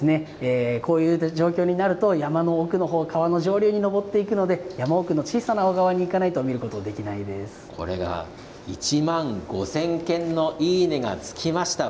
こういう状況になると山の奥の方、上流に登っていくので山の奥の小さな川に行かないと１万５０００件のいいねがつきました